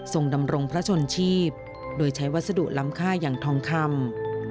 ดำรงพระชนชีพโดยใช้วัสดุล้ำค่าอย่างทองคำ